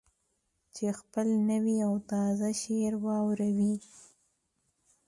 چې خپل نوی او تازه شعر واوروي.